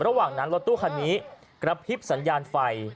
ระหว่างนั้นรถตู้คันนี้กระพริบสัญญาณไฟ